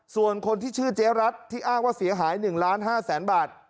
ส่วนคนที่ชื่อเจ๊รัตน์ที่อ้างว่าเสียหาย๑๕๐๐๐๐๐บาท